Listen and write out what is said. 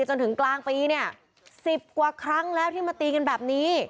จนถึงกลางปีเนี่ย๑๐กว่าครั้งแล้วที่มาตีกันแบบนี้